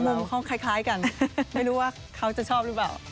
เขาคล้ายกันไม่รู้ว่าเขาจะชอบหรือเปล่า